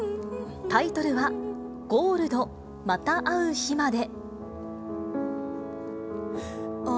タイトルは、Ｇｏｌｄまた逢う日まで。